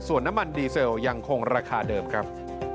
ส่วนน้ำมันดีเซลยังคงราคาเดิมครับ